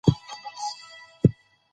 آیا یوازې ژوند کول پرمختګ راولي؟